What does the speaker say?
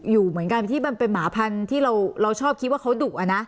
อยู่เหมือนกันที่มันเป็นหมาพันธุ์ที่เราชอบคิดว่าเขาดุอ่ะนะ